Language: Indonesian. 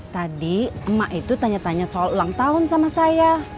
tadi emak itu tanya tanya soal ulang tahun sama saya